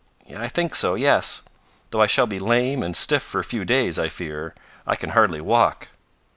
"I think so yes. Though I shall be lame and stiff for a few days, I fear. I can hardly walk."